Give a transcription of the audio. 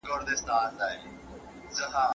¬ خر د گل په بوى څه پوهېږي؟